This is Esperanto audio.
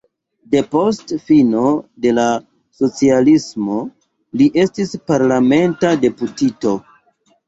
Depost fino de la socialismo li estis parlamenta deputito.